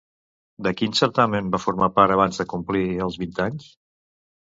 De quin certamen va formar part abans de complir els vint anys?